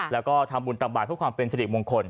แล้วก็ทำบุญตับบายเพื่อให้เป็นสะดิกโมงข่น